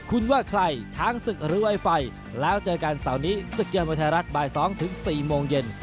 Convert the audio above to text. คุณว่าใครช้างศึกหรือไอไฟแล้วเจอกันเสาร์นี้ศึกยอดมวยไทยรัฐบ่าย๒ถึง๔โมงเย็น